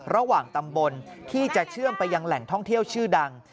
ระหว่างตำบลที่จะเชื่อมไปยังแหล่งท่องเที่ยวชื่อดัง